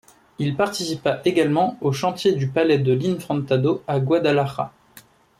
Il participa également au chantier du Palais de l'Infantado à Guadalaja.